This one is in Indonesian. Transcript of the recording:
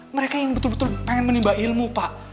mereka yang betul betul pengen menimba ilmu pak